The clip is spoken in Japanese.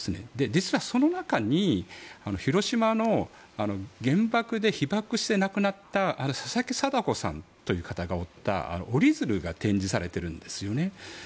実はその中に広島の原爆で被爆して亡くなった佐々木禎子さんという方が折った折り鶴が展示されているんですね。